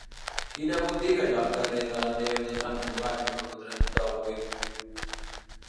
Quina botiga hi ha al carrer de la Neu de Sant Cugat número trenta-vuit?